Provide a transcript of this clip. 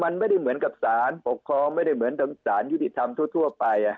มันไม่ได้เหมือนกับสารปกครองไม่ได้เหมือนสารยุติธรรมทั่วไป